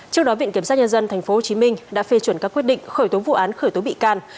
trước đó viện kiểm sát nhân dân tp hcm đã phê chuẩn các quyết định khởi tố vụ án khởi tố bị can